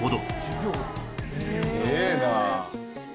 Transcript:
すげえな。